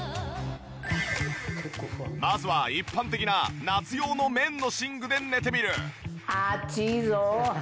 まずは一般的な夏用の綿の寝具で寝てみる。